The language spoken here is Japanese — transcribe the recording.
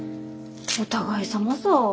お互いさまさ。